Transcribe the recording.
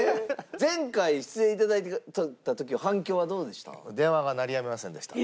前回出演頂いた時は反響はどうでした？